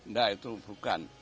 nah itu bukan